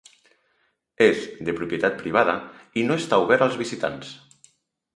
És de propietat privada i no està obert als visitants.